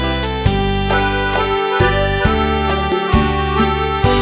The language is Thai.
ขอบคุณครับ